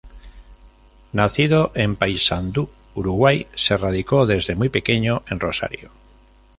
Nacido en Paysandú, Uruguay, se radicó desde muy pequeño en Rosario.